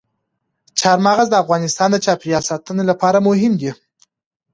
چار مغز د افغانستان د چاپیریال ساتنې لپاره مهم دي.